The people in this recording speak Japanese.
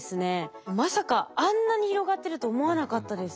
まさかあんなに広がってると思わなかったです。